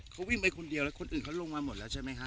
เขาวิ่งไปคนเดียวแล้วคนอื่นเขาลงมาหมดแล้วใช่ไหมฮะ